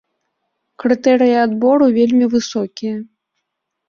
Крытэрыі адбору вельмі высокія.